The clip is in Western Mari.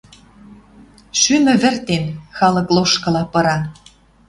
Шӱм ӹвӹртен, халык лошкыла пыра.